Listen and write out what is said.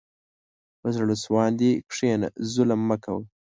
په زړه سواندي کښېنه، ظلم مه کوه.